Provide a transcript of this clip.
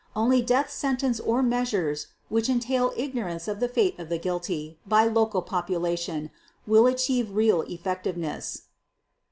Only death sentence or measures which entail ignorance of the fate of the guilty by local population will achieve real effectiveness."